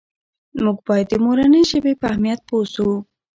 موږ باید د مورنۍ ژبې په اهمیت پوه سو.